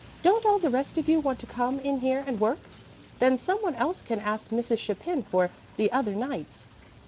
Don't all the rest of you want to come in here and work? Then some one else can ask Mrs. Chapin for the other nights."